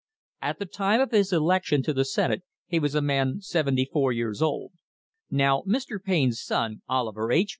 At the time of his election to the Senate he was a man seventy four years old. Now Mr. Payne's son, Oliver H.